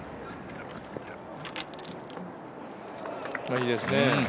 いいですね。